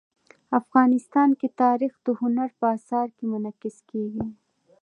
افغانستان کې تاریخ د هنر په اثار کې منعکس کېږي.